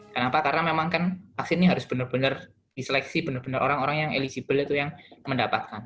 kenapa karena memang kan vaksin ini harus benar benar diseleksi benar benar orang orang yang eligible itu yang mendapatkan